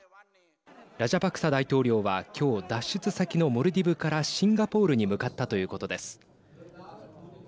ラジャパクサ大統領は、きょう脱出先のモルディブからシンガポールに向かったということです。